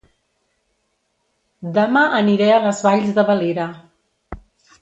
Dema aniré a Les Valls de Valira